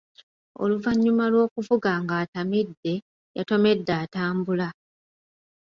Oluvannyuma lw'okuvuga ng'atamidde, yatomedde atambula.